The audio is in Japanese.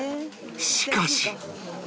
しかし